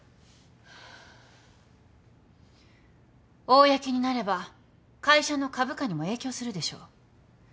公になれば会社の株価にも影響するでしょう。